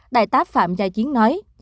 đại tá phạm gia chiến nói